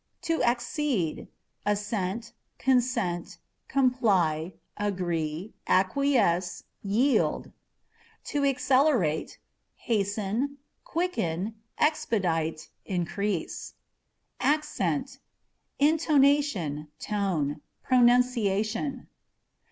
To Accede â€" assent, consent, comply, agree, acquiesce, yield. To Accelerate â€" hasten, quicken, expedite, increase. Accent â€" intonation, tone ; pronunciation.